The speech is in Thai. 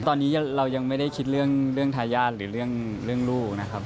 ตอนนี้เรายังไม่ได้คิดเรื่องทายาทหรือเรื่องลูกนะครับ